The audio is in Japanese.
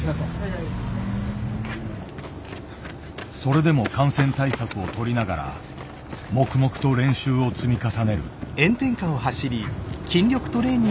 それでも感染対策をとりながら黙々と練習を積み重ねる。